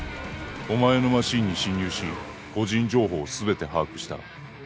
「お前のマシンに侵入し個人情報を全て把握した」